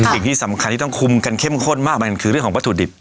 สิ่งที่สำคัญที่ต้องคุมกันเข้มข้นมากมันคือเรื่องของวัตถุดิบ